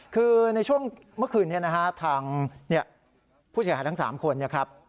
คือในช่วงเมื่อคืนนี้ผู้ชายทั้ง๓คนครับ